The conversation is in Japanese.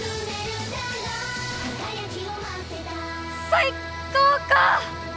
最高か！